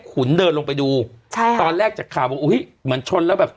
ขุนเดินลงไปดูใช่ค่ะตอนแรกจากข่าวบอกอุ้ยเหมือนชนแล้วแบบ